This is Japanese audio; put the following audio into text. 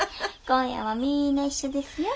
今夜はみんな一緒ですよ。